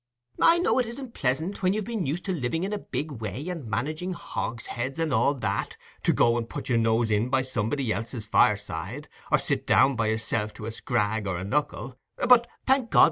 I know it isn't pleasant, when you've been used to living in a big way, and managing hogsheads and all that, to go and put your nose in by somebody else's fireside, or to sit down by yourself to a scrag or a knuckle; but, thank God!